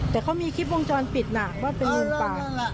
แต่เขามีคิดวงจรปิดนะว่าเป็นลูกปลา